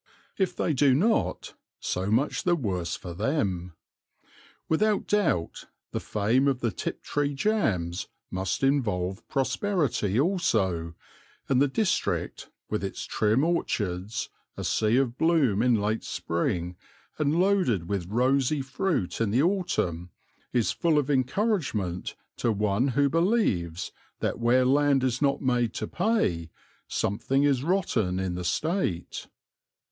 If they do not, so much the worse for them. Without doubt the fame of the Tiptree jams must involve prosperity also, and the district, with its trim orchards, a sea of bloom in late spring and loaded with rosy fruit in the autumn, is full of encouragement to one who believes that where land is not made to pay something is rotten in the state.